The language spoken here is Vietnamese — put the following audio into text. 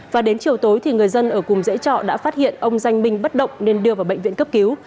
và đến chiều tối thì người dân ở cùng dãy trọ đã phát hiện ông danh minh bất động nên đưa vào bệnh viện cấp cứu